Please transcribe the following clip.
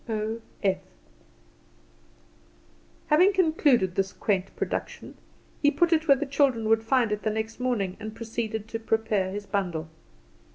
"O.F." Having concluded this quaint production, he put it where the children would find it the next morning, and proceeded to prepare his bundle.